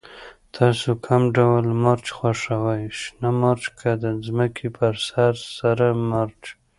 تاسو کوم ډول مرچ خوښوئ، شنه مرچ که د ځمکې په سر سره مرچ؟